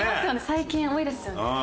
最近多いですよね。